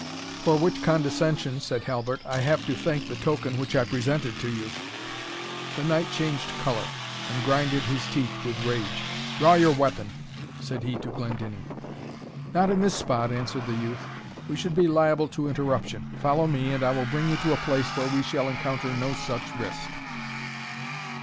"For which condescension," said Halbert, "I have to thank the token which I presented to you." The knight changed colour, and grinded his teeth with rage "Draw your weapon!" said he to Glendinning. "Not in this spot," answered the youth; "we should be liable to interruption Follow me, and I will bring you to a place where we shall encounter no such risk."